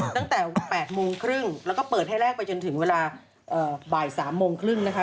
ตั้งแต่๘๓๐แล้วก็เปิดให้แลกไปจนถึงเวลาบ่าย๓๓๐นะคะ